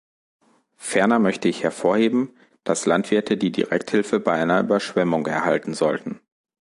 Ferner möchte ich hervorheben, dass Landwirte die Direkthilfe bei einer Überschwemmung erhalten sollten.